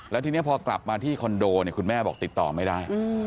แล้วทีนี้พอกลับมาที่คอนโดเนี่ยคุณแม่บอกติดต่อไม่ได้